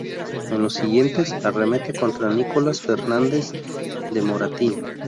En los siguientes arremete contra Nicolás Fernández de Moratín.